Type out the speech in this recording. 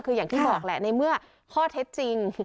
คืออย่างที่บอกแหละในเมื่อข้อเท็จจริง